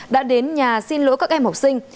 đã đến nhà xin lỗi các em học sinh